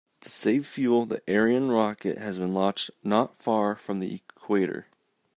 To save fuel, the Ariane rocket has been launched not far from the equator.